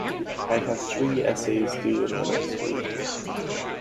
I have three essays due in the next week.